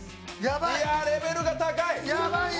いやぁ、レベルが高い。